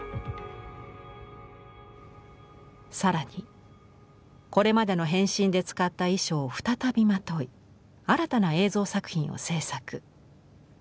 更にこれまでの変身で使った衣装を再びまとい新たな映像作品を制作。